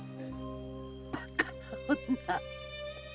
バカな女！